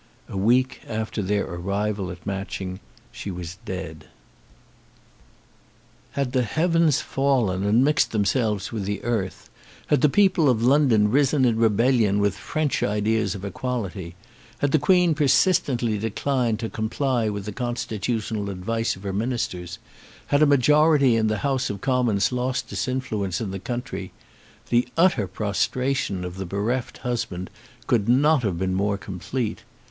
A week after their arrival at Matching she was dead. Had the heavens fallen and mixed themselves with the earth, had the people of London risen in rebellion with French ideas of equality, had the Queen persistently declined to comply with the constitutional advice of her ministers, had a majority in the House of Commons lost its influence in the country, the utter prostration of the bereft husband could not have been more complete.